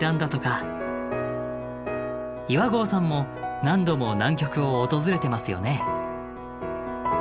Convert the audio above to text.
岩合さんも何度も南極を訪れてますよね？